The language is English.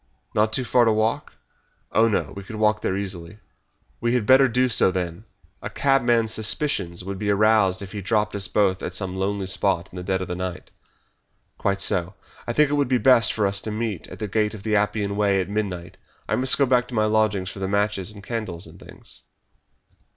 "Not too far to walk?" "Oh, no, we could walk there easily." "We had better do so, then. A cabman's suspicions would be aroused if he dropped us both at some lonely spot in the dead of the night." "Quite so. I think it would be best for us to meet at the Gate of the Appian Way at midnight. I must go back to my lodgings for the matches and candles and things."